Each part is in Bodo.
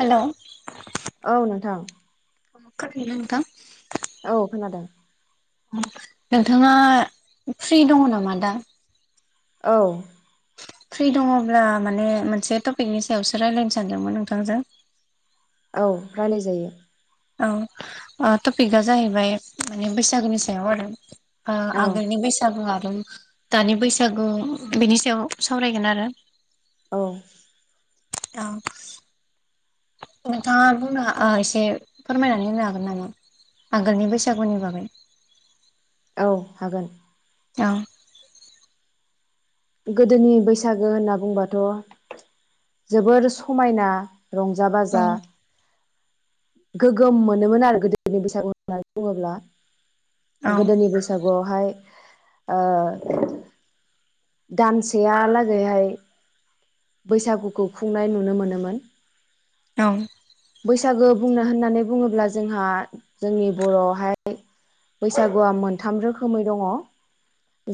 हेल'। औ नोंथां। मा खालामदों नोंथां। औ खोनादों। नोंथाङा फ्रि दङ नामा दा। औ। फ्रि दङब्ला माने मोनसे टपिकनि सायावसो रायज्लायनो सानदोंमोन नोंथांजों। औ रायलाय जायो। औ टपिकआ जाहैबाय माने बैसागोनि सायाव आरो। ओ औ आगोलनि बैसागुआ। दानि बैसागु बेनि सायाव सावरायगोन आरो। औ। औ। नोंथाङा बुंनो एसे फोरमायनानै होनो हागोन नामा आगोलनि बैसागुनि बागै। औ हागोन। औ। गोदोनि बैसागो होनना बुंबाथ' जोबोर समायना। रंजा औ बाजा। गोगोम मोनोमोन आरो गोदोनि बैसागु होननानै बुङोब्ला। औ गोदोनि बैसागुआवहाय ओ दानसेयालागैहाय बैसागुखौ खुंनाय नुनो मोनोमोन औ बैसागो बुंनो होननानै बुङोब्ला जोंहा जोंनि बर'आवहाय बैसागुआ मोनथाम रोखोमै दङ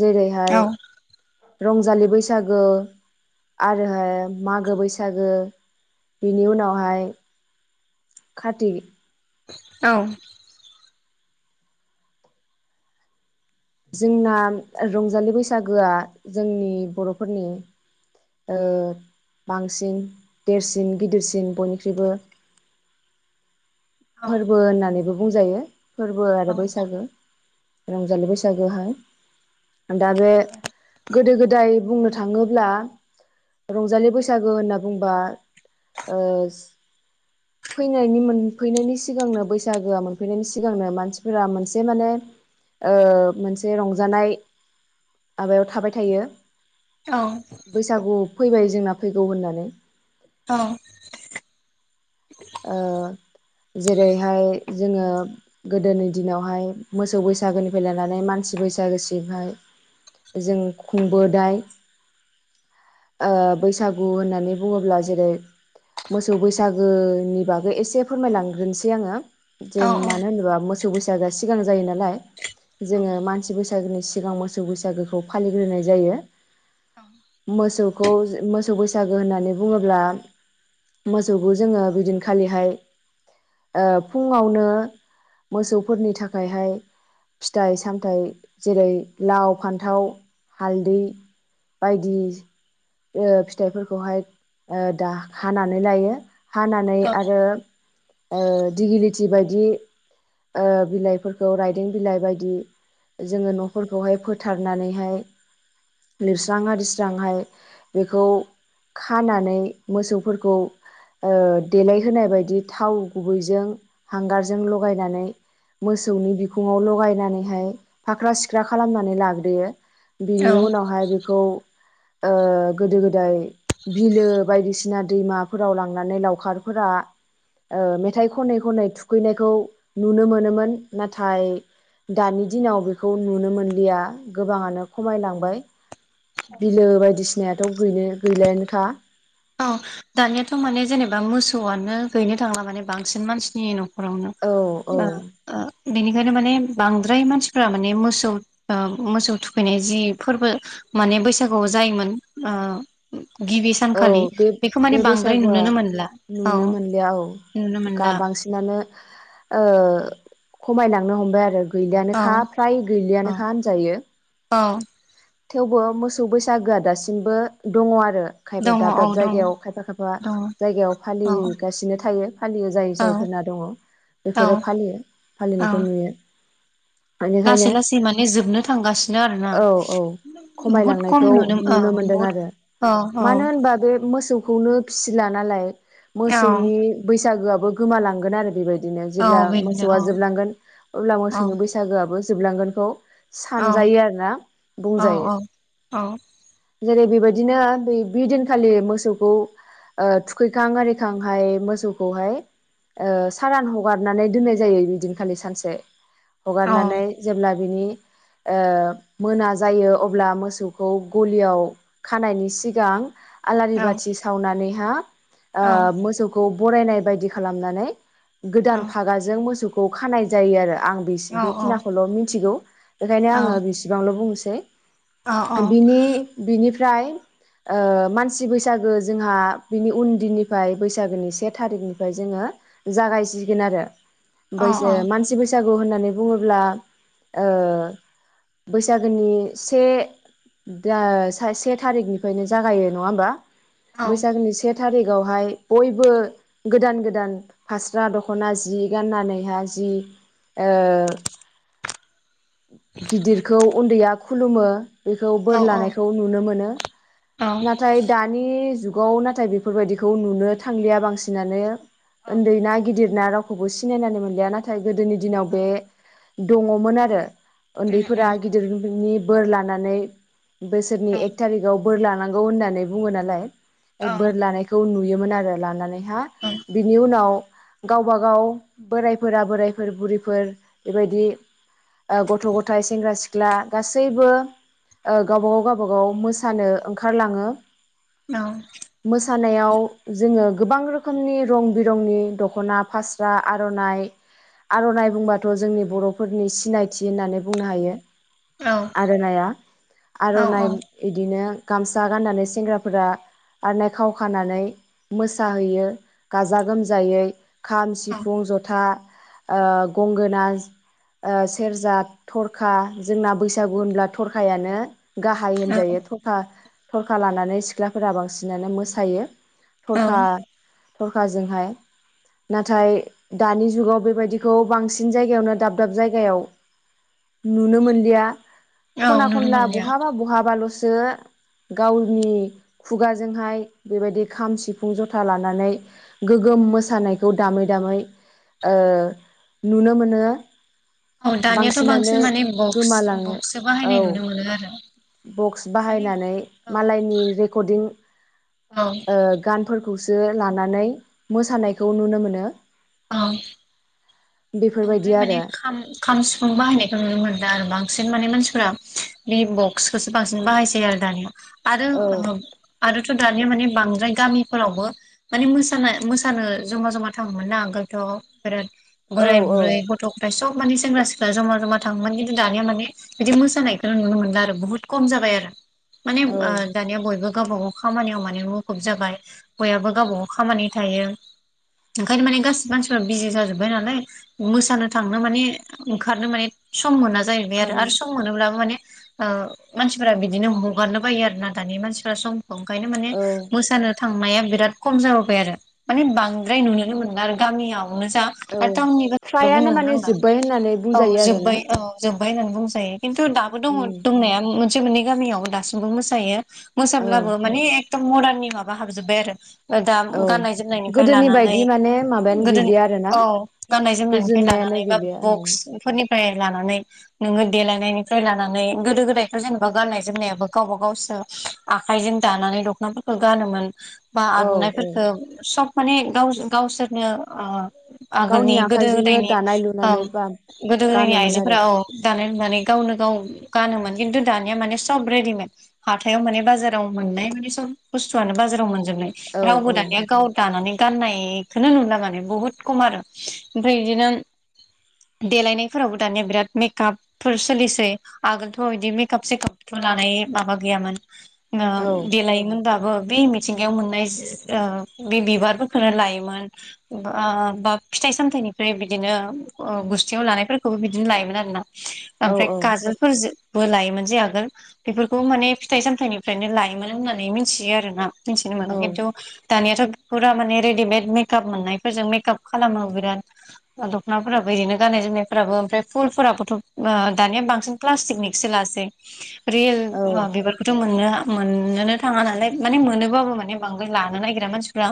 जेरैहाय औ रंजालि बैसागो आरोहाय मागो बैसागो बिनि उनावहाय खाथि औ जोंना रंजालि बैसागोआ जोंनि बर'फोरनि ओ बांसिन देरसिन गिदिरसिन बयनिख्रुइबो औ फोरबो होननानैबो बुंजायो फोरबो आरो बैसागो रंजालि बैसागोहाय दा बे गोदो गोदाय बुंनो थाङोब्ला रंजालि बैसागो होनना बुंबा ओ फैनायनि मोन मोनफैनायनि सिगांनो बैसागोआ मोनफैनायनि सिगांनो मानसिफोरा मोनसे माने ओ मोनसे रंजानाय माबायाव थाबाय थायो औ बैसागु फैबाय जोंना फैगौ होननानै औ ओ जेरैहाय जोङो गोदोनि दिनावहाय मोसौ बैसागोनिफ्राय लानानै मानसि बैसागो सिमहाय जों खुंबो दाय ओ बैसागु होननानै बुङोब्ला जेरै मोसौ बैसागो नि बागै एसे फोरमायलांग्रोनोसै आङो जों औ मानो होनोबा मोसौ बैसाागोआ सि- गां जायो नालाय जोङो मानसिबो सागोनि सिगां मोसौ बैसागोखौ फालिग्रोनाय जायो औ मोसौ खौ मोसौ बैसागो होननानै बुङोब्ला मोसौखौ जोङो बिदिनो खालिहाय ओ फुङावनो मोसौफोरनि थाखायहाय फिथाइ सामथाय जेरै लाव फान्थाव हालदै बायदि ओ फिथाइफोरखौहाय ओ दा हानानै लायो हानानै औ आरो ओ दिग्लि- जिबायदि ओ बिलाइफोरखौ रायदों बिलाइ बायदि जोङो नफोरखौहाय फोथारनानैहाय लिरस्रां हारिस्रांहाय बेखौ खानानै मोसौफोरखौ ओ देलायहोनाय बायदि थाव गुबैजों हांगारजों लगायनानै मोसौनि बिखुङाव लगायनानैहाय फाख्रा सिख्रा खालामनानै लाग्रोयो बिनि औ उनावहाय बेखौ ओ गोदो गोदाय बिलो बायदिसिना दैमाफोराव लांनानै लावखार फोरा ओ मेथाइ खनै खनै थुखैनायखौ नुनो मोनोमोन नाथाय दानि दिनाव बेखौ नुनो मोनलिया गोबाङानो खमायलांबाय बिलो बायदिसिनायाथ गैला- गैलायानोखा अ दानियाथ माने जेनेबा मोसौआनो गैनो थांला माने बांसिन मानसिनि न खरावनो औ औ बेनिखायनो माने बांद्राय मानसिफोरा माने मोसौ ओ मोसौ थुखैनाय जि फोरबो माने बैसागुआव जायोमोन ओ गिबि औ सानखलि बे बे बैसागुआ औ नुनो मोनला औ नुनो गा मोनला बांसिनानो ओ खमायलांनो हमबाय आरो औ गैलियानोखा फ्राय औ गैलियानोखा होनजायो औ थेवबो मोसौ बैसागोआ दासिमबो दङ आरो ओंखायनो दङ दाब औ दाब दङ जायगायाव खायफा खायफा दङ जायगायाव औ फालिगासिनो थायो फालियो जाय औ जायफोरना दङ औ बेफोरो फालियो औ फालिनायखौ नुयो लासै बेनिखायनो लासै माने जोबनो थांगासिनो आरोना औ औ बहुद खम खमायलांनायखौ औ नुनो मोनदों बहुद आरो औ औ मानो होनबा बे मोसौखौनो बो फिसिला नालाय औ मोसौनि बैसो बैसागुआबो गोमालांगोन आरो बेबायदि दिनो औ जेब्ला बिदिनो मोसौआ जोबलांगोन अब्ला औ मोसौनि बैसागोआबो जोबलांगोनखौ औ सानजायो आरो ना औ औ औ जेरै बेबायदिनो बै दिनखालि मोसौखौ ओ थुखैखां आरिखांहाय मोसौखौहाय ओ सारान हगारनानै दोननाय जायो बै दिनखालि सानसे औ हगारनानै जेब्ला बिनि मोना जायो अब्ला मोसौखौ गलियाव खानायनि सिगां आलारि औ बाथि सावनानै जोंहा औ ओ मोसौखौ बरायनाय बायदि खालामनानै गोदान फागाजों मोसौखौ खौ खानाय जायो आरो आं बे औ बेखिनिखौल मिथिगौ बेखायनो आंङो बेसेबांल बुंनोसै बुंनोसै औ उम बिनि बिनिफ्राय फ्राय मानसि बैसागु जोंहा बिनि उन दिननिफ्राय बैसागुनि से थारिखनिफ्राय जोंङो जागायसिगोन आरो उम औ बैसो मानसि बैसो बैसागु होननानै बुङोब्ला बैसागु। बैसागनि से से थारिखनिफ्रायनो जागायो नङा होमबा। बैसागनि से। थारिग आवहाय बयबो गोदान गोदान फास्रा दखना जि गाननानैहाय जि। गिदिरखौ। उनदैया खुलुमो। बेखौ औ बोर लानायखौ नुनो मोनो नाथाय दानि जुगाव। औ नाथाय बेफोरबायदिखौ नुनो थांलिया बांसिनानो। उन्दै ना गिदिर। रावखौबो सिनायनानै मोनलिया नाथाय। गोदोनि दिनाव बे। दङमोन आरो। उन्दै फोरा बिनि बोर लानानै बोसोरनि एक थारिखआव बोर लानांगौ होननानै बुङो नालाय बोर लानायखौ नुयो। मोन आरो लानानै हा बिनि उनाव गावबा गाव बोरायफोरा बोरायफोर बुरैफोर बेबायदि गथ' गथाय सेंग्रा सिख्ला सिख्ला गासैबो ओ गावबागाव गावबागाव मोसानो ओंखारलाङो औ मोसानायाव जोङो गोबां रोखोमनि रं बिरंनि दख'ना फास्रा आर'नाइ आर'नाइ बुंबाथ' जोंनि बर'फोरनि सिनायथि होननानै बुंनो हायो। आर'नाइआ आर'नाइ बिदिनो गामसा गाननानै सेंग्राफोरा आरनायइ खाव खानानै मोसाहैयो। गाजा गोमजायै खाम सिफुं जथा गंगोना सेरजा थरखा जोंना बैसागु होनब्ला थरखायानो। गाहाय होनजायो थखा थरखा लानानै सिख्लाफोरा बांसिनानो मोसायो। औ औ थरखा थरखाजोंहाय नाथाय दानि जुगाव बेबायदिखौ बांसिन जायगायावनो दाब दाब जायगायाव। नुनो मोनलिया। ख'ना नुनो ख'नला मोनलिया बहाबा बहाबा लसो यो गावनि खुगाजोंहाय बेबायदि खाम, सिफुं, ज'था लानानै गोग्गोम मोसानायखौ दामै दामै ओ नुनो मोनो। औ दानियाथ' बांसिनानो बांसिन माने बक्स गोमालाङो बक्ससो औ बाहायनाय नुनो मोनो आरो। बक्स माने बाहायनानै औ मालायनि रिकर्दिं ओ गानफोर खौसो लानानै मोसानायखौ नुनो मोनो। औ। बांद्राय बेफोरबायदि माने आरो। खाम खाम सिफुं बाहायनायखौ नुनो मोनला आरो बांसिन माने मानसिफोरा बे बक्सखौसो बांसिन बाहायसै आरो दानिया। आरो औ [unintelligible] आरोथ' दानिया माने बांद्राय गामिफोरावबो माने मोसानाय मोसानो ज'मा ज'मा थाङोमोन ना आगोलथ' बिराद औ बोराय औ बुरै, गथ' ग'थाय सब माने सेंग्रा सिख्ला ज'मा ज'मा थाङोमोन खिन्थु दानिया माने बिदि मोसानायखौ नुनो मोनला आरो बुहुत खम जाबाय आरो। माने औ आ दानिया बयबो गावबा गाव खामानियाव माने मुखुब जाबाय बयाबो गावबा गाव खामानि थायो ओंखायनो माने गासिबो मानसिफ्रा बिजि जाजोबबाय नालाय मोसानो थांनो माने ओंखारनो माने सम मोना जाहैबाय ओंखारनो आरो सम मोनोब्लाबो माने ओ मानसिफोरा बिदिनो हगारनो बायो आरो ना दानि मानसिफ्रा सम ओंखायनो माने औ मोसानो थांनाया बिराद खम जाबोबाय आरो माने बांद्राय नुनोनो मोनला आरो गामियावनो जा औ आरो टाउननि बाथ्राखौ फ्रायानो बुंनो माने नांला जोब्बाय होननानै बुंजायो आरो ना। बायखोनो बुंजायो। खिन्थु दाबो दंङ दंनाया मोन से मोननै गामियाव दासिमबो मोसायो। औ मोसाब्लाबो माने एकदम मदार्ननि माबा हाबजोब्बाय आरो। दा औ गाननाय जोमनायनिफ्राय गोदोनि लानानै बायदि माने माबायानो गोदोनि गैलिया आरोना? औ गाननाय जोमनायनिफ्राय गोजोननायानो लानानै बा गैलिया औ बक्सफोरनि फ्राय लानानै नोङो देलायनायनिफ्राय लानानै गोदो गोदायथ' जेनेबा गाननाय जोमनायाबो गावबागावसो आखाइजों दानानै दख'नाफोरखौ गानोमोन बा औ औ आर'नाइफोरफोरखौ सब माने गाव गावसोरनो ओ गावनि आगोलनि आखाइजोंनो गोदो-गोदायनि दानाय औ लुनानै बा गोदो-गोदायनि गानोमोन आरो आइजोफोरा औ दानाय लुनानै गावनो गाव गानोमोन। खिन्थु दानिया माने सब रेडिमेद हाथायाव माने बाजाराव मोननाय माने सब बुस्थुआनो बाजाराव मोन जोबनाय। औ रावबो औ दानिया गाव दानानै गाननायखौनो नुला माने बुहुत खमआरो। ओमफ्राय बिदिनो देलायनायफोरावबो दानिया बिराद मेकापफोर सोलिसै आगोलथ' बिदि मेकप सेकपथ' लानाय माबा गैयामोन। अ' औ देलायोमोनब्लाबो बे मिथिंगायाव मोननाय ओ बे बिबारफोरखौनो लायोमोन। ओ बा फिथाइ सामथायाइनिफ्राय बिदिनो अ गुस्थियाव लानायफोरखौबो बिदिनो लायोमोन आरो ना। औ ओमफ्राय खाजोलफोर बो लायोमोन जे आगोल बेफोरखौ माने फिथाइ सामथनिफ्रायनो लायोमोन होननानै मिथियो आरोना। मोनथिनो मोनो औ खिन्थ दानियााथ' फुरा माने रेडिमेड मेकआप मोननायफोरजों मेकाप खालामनो बिराद। दख'नाफोराबो ओरैनो गाननाय जोमनायफोराबो ओमफ्राय फुलफोराबोथ' दानिया बांसिन प्लास्टिकनिकसो लासै। रियेल औ बिबारखौथ' मोननो नो थाङा नालाय माने मोनोबाबो माने बांद्राय लानो नागिरा मानसिफ्रा।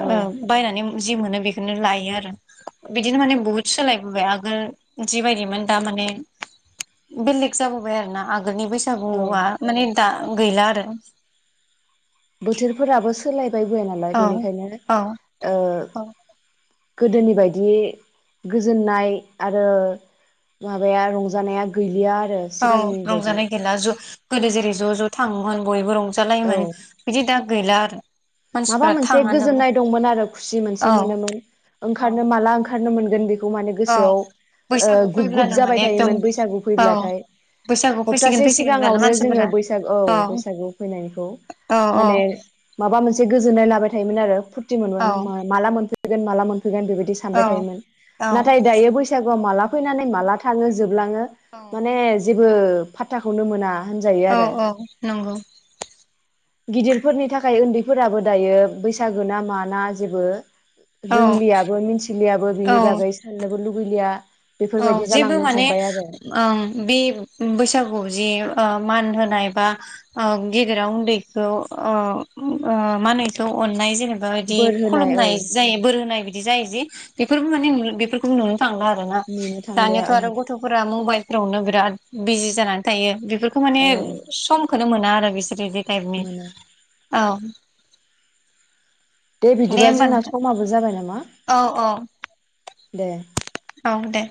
ओ औ बायनानै जि मोनो बे खौनो लायो आरो बिदिनो माने बुहुत सोलायबोबाय आगोल जिबायदिमोन दा माने बेलेक जाबोबाय आरोना आ गोलनि औ बैसागुआ माने दा गैला आरो। बोथोरफोराबो सोलाय बोबाय नालाय औ बेनिखायनो औ ओ औ गोदोनि बायदि गोजोननाय आरो माबाया रंजानाया गैलिया आ औ रंजानाया गैला जु गोदो जेरै ज' ज' थाङोमोन बयबो रं जालायोमोन औ बिदि दा गा गैला आरो। माबा मानसिफ्रा मोनसे थाङानो गोजोननाय दंमोन आरो खुसि औ मोनसे मोनोमोन औ ओंखारनो माला ओंखारनो मोन गोनदि माने औ गोसोआव ओ बैसागु गुब -गुब फैब्लानो जाबाय माने एकदम थायोमोन बैसागु औ फैब्लाथाय बैसागु फैसिगोन हबथासे फैसिगोनब्लानो सिगाङावनो जोङो मानसिफोरा बैसाग औ बैसागु फैनायनिखौ औ औ माने माबा मोन गोजोननाय लाबाय थायोमोन आरो खुसि मोनोमोन औ माला मोनफै गोन मालामोन गोन बेबायदि सानबाय थायोमोन। औ नाथाय दायो बैसागुआ माला फैनानै माला थाङो जोब लाङो औ माने जेबो फात्ताखौनो मोना। होनजायो औ आरो औ नंगौ। गिदिरफोरनि थाखाय उन्दैफोराबो दायो बैसागो ना माना जेबो औ रोंलियाबो मिथिलियाबो बिनि औ बागै साननोबो लुबै बैलिया। औ जेबो माने ओं बे बैसागु जि ओ मान होनाय एबा ओ गिदिरा उन्दैखौ ओ ओ मा होनो इखौ अननाय जेने बा बिदि बोर होनाय औ खुलुमनाय जायो बोर होनाय बिदि जायो जि बेफोरबो माने बेफोरखौबो नुनो थांला आरो। नेनो थांलिया दानियाथ' औ आरो गथ'फोरा मबाइल फोरावनो बिराद बिजि जानानै थायो। बेफोरखौ माने औ समखौनो मोना आरो। [unintelligible] ताइपनि मोनो औ दे बिदिबा होमबा जोंना नोंथां समाबो जाबाय नामा औ औ दे औ दे